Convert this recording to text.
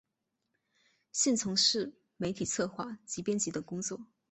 现从事媒体策划及编辑等工作。